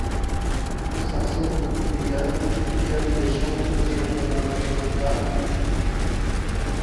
নিম্ন স্যাক্সন উইকিপিডিয়ায় উইকিপিডিয়ানদের সম্মিলিত সম্পাদনার সংখ্যা টি।